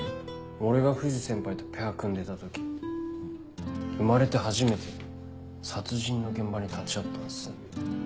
俺が藤先輩とペア組んでた時生まれて初めて殺人の現場に立ち会ったんです。